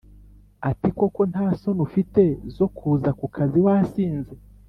ati koko nta soni ufite zo kuza ku kazi wasinze?